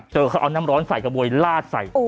เอาน้ำร้อนใส่กระบวยลาดใส่